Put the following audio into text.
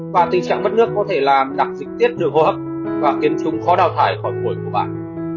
và tình trạng mất nước có thể làm đặc dịch tiết đường hô hấp và kiến trung khó đào thải khỏi khuổi của bạn